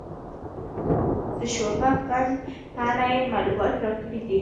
د شورابک بند په اړه یې معلومات راکړي دي.